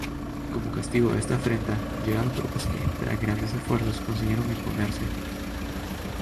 Como castigo a esta afrenta, llegaron tropas que, tras grandes esfuerzos, consiguieron imponerse.